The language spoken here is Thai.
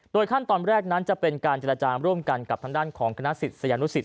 โดยขั้นตอนแรกนั้นจะเป็นการจรรยาจารย์ร่วมกันกับทางด้านของคณะสิทธิ์สยานุสิทธิ์